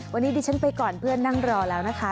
วันนี้ดิฉันไปก่อนเพื่อนนั่งรอแล้วนะคะ